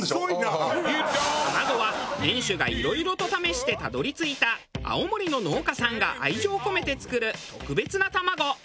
卵は店主がいろいろと試してたどり着いた青森の農家さんが愛情を込めて作る特別な卵。